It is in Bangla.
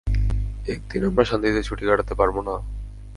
একদিন আমরা শান্তিতে ছুটি কাটাতে পারবো না?